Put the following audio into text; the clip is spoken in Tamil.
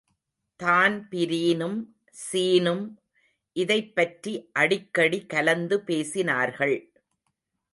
தான்பிரீனும் ஸீனும் இதைப்பற்றி அடிக்கடி கலந்துபேசினார்கள்.